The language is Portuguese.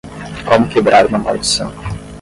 Como quebrar uma maldição